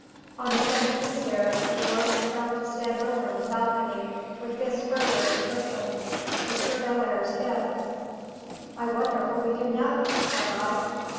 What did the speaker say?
On ascending the stairs, a door was found to stand open on the balcony, with this further inscription, "Mr. Bellairs In." "I wonder what we do next," said I.